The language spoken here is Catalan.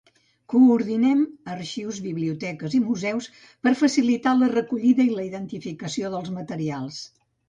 Coordinem arxius, biblioteques i museus per facilitar la recollida i la identificació dels materials.